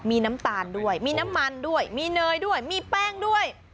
มีน้ำตาลด้วยมีน้ำมันด้วยมีเนยด้วยมีแป้งด้วย